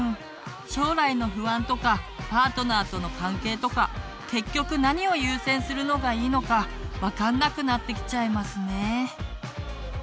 将来の不安とかパートナーとの関係とか結局何を優先するのがいいのか分かんなくなってきちゃいますね。